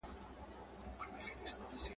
له شامته چی یې زرکي دام ته تللې !.